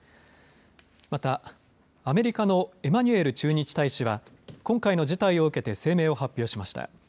またアメリカのエマニュエル駐日大使は、今回の事態を受けて声明を発表しました。